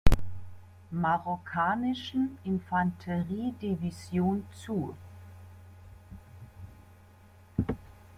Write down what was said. Marokkanischen Infanteriedivision zu.